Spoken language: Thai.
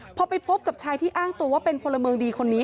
พอไปพบกับชายที่อ้างตัวว่าเป็นพลเมืองดีคนนี้